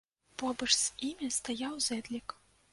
Побач з імі стаяў зэдлік.